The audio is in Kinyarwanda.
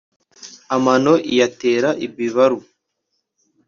Amano iyatera ibibaru